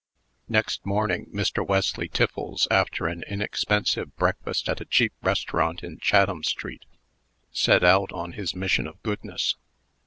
Next morning, Mr. Wesley Tiffles, after an inexpensive breakfast at a cheap restaurant in Chatham street, set out on his mission of goodness.